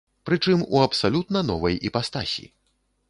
Прычым у абсалютна новай іпастасі.